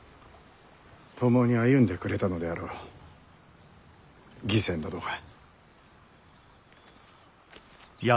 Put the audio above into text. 共に歩んでくれたのであろう義仙殿が。